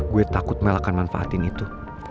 gue takut mel akan manfaatin itu